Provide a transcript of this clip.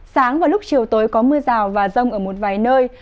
sáng và lúc chiều tối có mưa rào và rông ở một vài nơi